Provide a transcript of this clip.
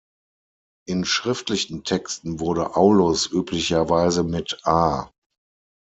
In schriftlichen Texten wurde "Aulus" üblicherweise mit "A.